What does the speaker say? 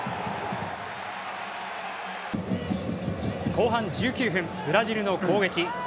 後半１９分、ブラジルの攻撃。